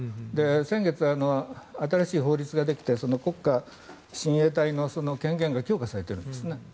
先月、新しい法律ができて国家親衛隊の権限が強化されてるんですね。